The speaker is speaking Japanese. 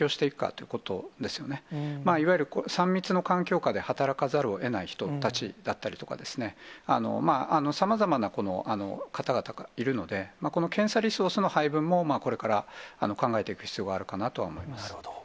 いわゆる３密の環境下で働かざるをえない人たちだったりとか、さまざまな方々がいるので、この検査リソースの配分もこれから考えていく必要があるかなとはなるほど。